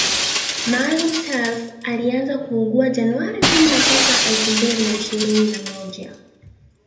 Maalim Self alianza kuugua january kumi na tisa elfu mbili na ishirini na moja